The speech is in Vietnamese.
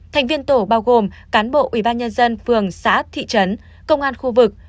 thành viên tổ bao gồm cán bộ ubnd phường xã thị trấn công an khu vực